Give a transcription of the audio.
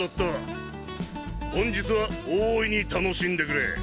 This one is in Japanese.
本日は大いに楽しんでくれ。